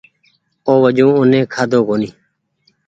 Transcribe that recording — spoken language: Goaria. اوُ وجون اوني کآۮو ڪونيٚ